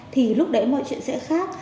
thì lúc đấy mọi chuyện sẽ khác